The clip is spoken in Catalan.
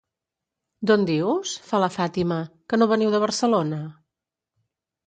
D'on dius? —fa la Fàtima— Que no veniu de Barcelona?